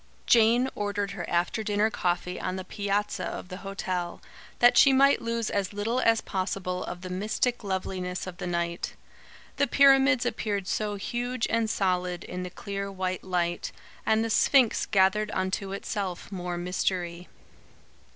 Jane ordered her after dinner coffee on the piazza of the hotel, that she might lose as little as possible of the mystic loveliness of the night. The pyramids appeared so huge and solid, in the clear white light; and the Sphinx gathered unto itself more mystery.